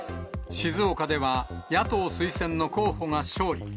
静岡では、野党推薦の候補が勝利。